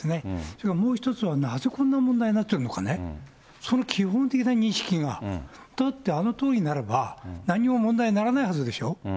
それからもう一つは、なぜこんな問題になってるのかね、その基本的な認識が、だってあのとおりならば、何も問題にならないはずでしょ。